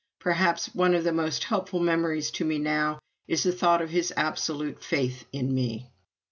Perhaps one of the most helpful memories to me now is the thought of his absolute faith in me.